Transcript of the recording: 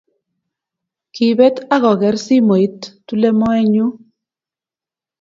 Kipet ako ker simoit tule moenyun.